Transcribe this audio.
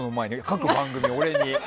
各番組、俺に。